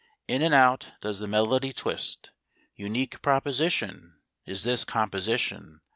In and out does the melody twist Unique proposition Is this composition.